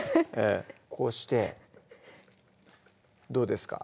こうしてどうですか？